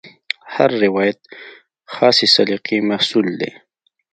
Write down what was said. هر روایت خاصې سلیقې محصول دی.